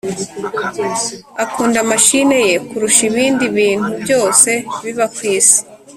Akunda mashine ye kurusha ibindi bintu byose biba ku isi